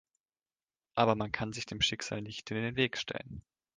Aber man kann sich dem Schicksal nicht in den Weg stellen.